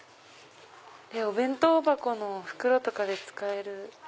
お弁当箱の袋とかで使える。